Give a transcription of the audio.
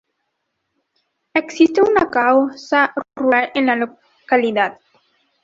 Existe una casa rural en la localidad